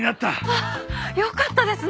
ああよかったですね！